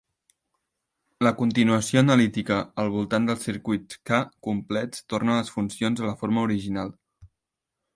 La continuació analítica al voltant dels circuits "k" complets torna les funcions a la forma original.